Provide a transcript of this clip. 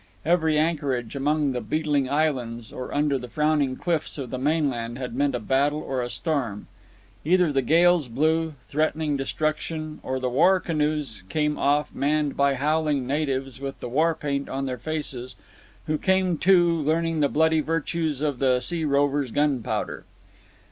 Every anchorage among the beetling islands or under the frowning cliffs of the mainland had meant a battle or a storm. Either the gales blew, threatening destruction, or the war canoes came off, manned by howling natives with the war paint on their faces, who came to learn the bloody virtues of the sea rovers' gunpowder.